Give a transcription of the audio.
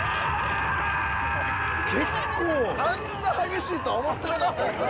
◆あんな激しいとは思ってなかったですから。